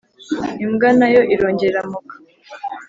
imbwa na yo irongera iramoka.